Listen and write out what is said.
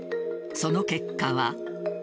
その結果は。